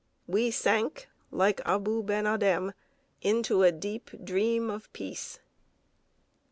we sank, like Abou Ben Adhem, into a deep dream of peace.